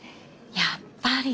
やっぱり。